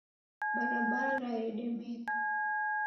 Barabara yedemeka.